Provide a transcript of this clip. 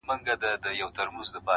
زاړه خلک موضوع بدله کوي تل